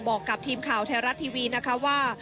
บอกกับทีมข่าวไทยรัฐทีวีนะคะว่า